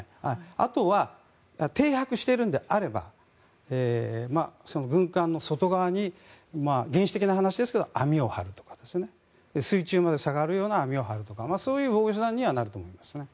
あとは停泊しているんであれば軍艦の外側に原始的な話ですが、網を張るとか水中まで下がるような網を張るとかそういう手段にはなると思います。